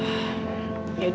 tidak ada masalah